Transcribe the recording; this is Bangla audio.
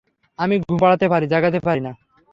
আমি ঘুম পাড়াতে পারি, জাগাতে পারি না।